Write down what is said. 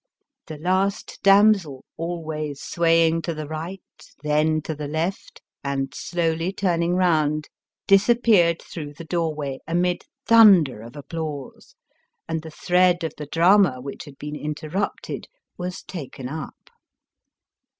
The last damsel, always swaying to the right, then to the left, and slowly turning lound, disappeared through the doorway amid thunder of applause, and the thread of the drama which had been interrupted was taken up.